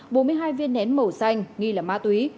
bốn mươi hai viên nén màu xanh nghi là ma túy